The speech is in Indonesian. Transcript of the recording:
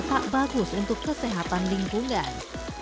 tak bagus untuk kesehatan lingkungan